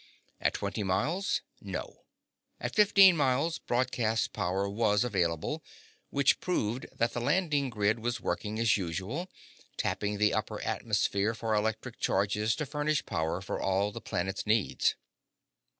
At twenty miles—no. At fifteen miles, broadcast power was available, which proved that the landing grid was working as usual, tapping the upper atmosphere for electric charges to furnish power for all the planet's needs.